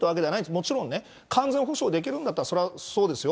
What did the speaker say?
もちろん完全補償できるんだったらそれはそうですよ。